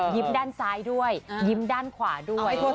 ด้านซ้ายด้วยยิ้มด้านขวาด้วย